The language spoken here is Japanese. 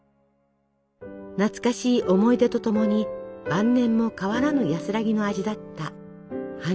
懐かしい思い出とともに晩年も変わらぬ安らぎの味だった花のクッキー。